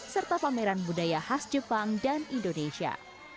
serta pameran budaya khas jepang dan indonesia